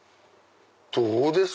どうです？